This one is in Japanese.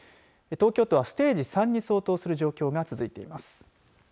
東京都はステージ３に相当する状況が続いています。